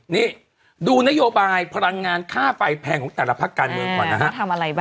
นี่ดูนโยบายพลังงานค่าไฟแพงของแต่ละพักการเมืองก่อนนะฮะ